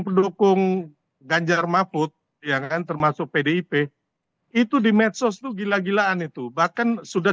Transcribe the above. pendukung ganjar mahfud ya kan termasuk pdip itu di medsos itu gila gilaan itu bahkan sudah